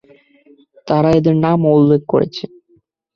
তারা এদের নামও উল্লেখ করেছে।